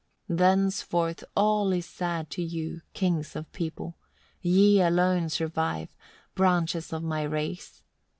4. "Thenceforth all is sad to you, kings of people! Ye alone survive, 5. "Branches of my race.